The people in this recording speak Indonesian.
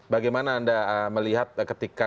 bagaimana anda melihat ketika